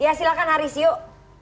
ya silahkan haris yuk